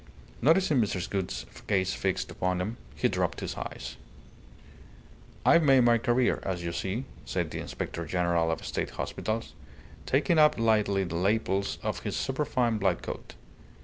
Noticing Mrs. Gould's gaze fixed upon him, he dropped his eyes. "I've made my career as you see," said the Inspector General of State Hospitals, taking up lightly the lapels of his superfine black coat.